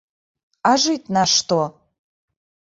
А жыць на што?!